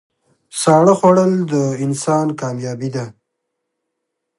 ساړه خوړل د انسان کامیابي ده.